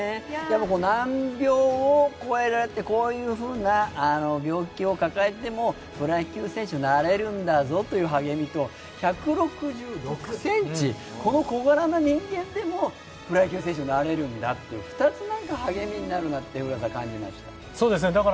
難病を超えられてこういうふうな病気を抱えてもプロ野球選手になれるんだぞという励みと、１６６ｃｍ、この小柄な人間でもプロ野球選手になれるんだと２つ励みになるなって感じました。